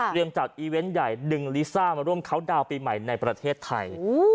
จัดอีเวนต์ใหญ่ดึงลิซ่ามาร่วมเขาดาวน์ปีใหม่ในประเทศไทย